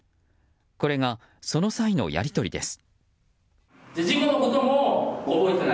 これが、その際のやり取りです。